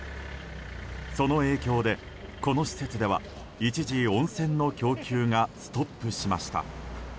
その影響でこの施設では一時、温泉の供給がストップしました。